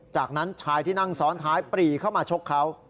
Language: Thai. จากนั้นชายที่นั่งซ้อนท้ายปรีเข้ามาชกเขา